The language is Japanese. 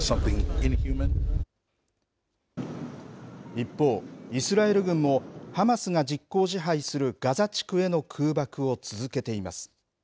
一方、イスラエル軍もハマスが実効支配するガザ地区への空爆を続けています。